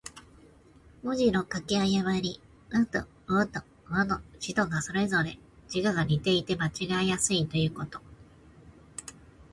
文字の書き誤り。「魯」と「魚」、「亥」と「豕」の字とが、それぞれ字画が似ていて間違えやすいということ。